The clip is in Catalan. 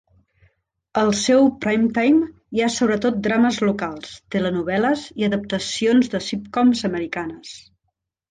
Al seu "primetime" hi ha sobretot drames locals, telenovel·les i adaptacions de sitcoms americanes.